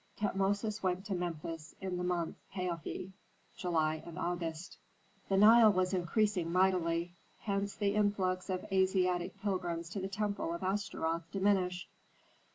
Tutmosis went to Memphis in the month Paofi (July and August). The Nile was increasing mightily; hence the influx of Asiatic pilgrims to the temple of Astaroth diminished.